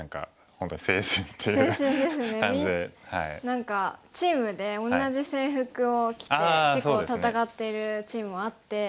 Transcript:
何かチームで同じ制服を着て結構戦ってるチームもあって。